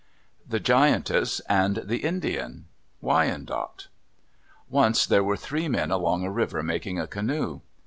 THE GIANTESS AND THE INDIAN Wyandot Once there were three men along a river making a canoe.